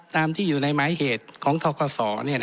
ที่อยู่ในหมายเหตุของทกศ